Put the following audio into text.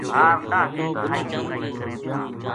بھار لاہ کے کھائی پکائی کریں تھا